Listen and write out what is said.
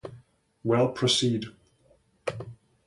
Well, proceed.